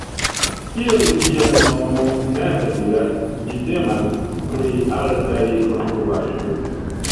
Kiel ĝia nomo mem diras, ĝi temas pri altaj konstruaĵoj.